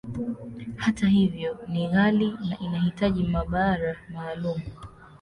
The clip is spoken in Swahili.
Hata hivyo, ni ghali, na inahitaji maabara maalumu.